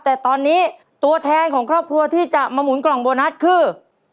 แต่ตอนนี้ตัวแทนของครอบครัวที่จะมาหมุนกล่องโบนัสคือ